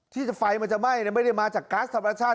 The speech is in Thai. ที่ไฟมันจะไหม้ไม่ได้มาจากก๊าซธรรมชาติ